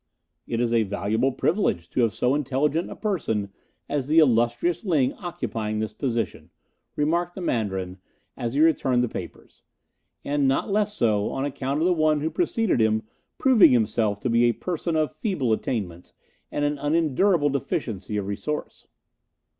"It is a valuable privilege to have so intelligent a person as the illustrious Ling occupying this position," remarked the Mandarin, as he returned the papers; "and not less so on account of the one who preceded him proving himself to be a person of feeble attainments and an unendurable deficiency of resource."